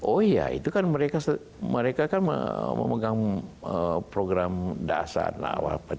oh ya itu kan mereka kan memegang program dasar